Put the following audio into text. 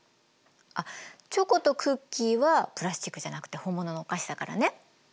あっチョコとクッキーはプラスチックじゃなくて本物のお菓子だからね。